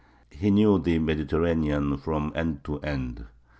He knew the Mediterranean from end to end.